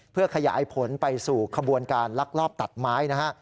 เพื่อขยายผลไปสู่ขบวนการลักลอบตัดไม้นะฮะ